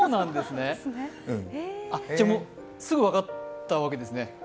じゃ、すぐ分かったわけですね。